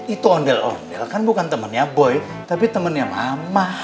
itu ondel ondel kan bukan temannya boy tapi temennya mama